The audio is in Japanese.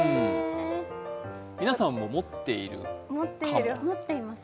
皆さんも持っているかも。